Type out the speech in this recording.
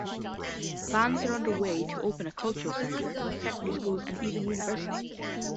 Plans are underway to open a cultural center, secondary schools and even university.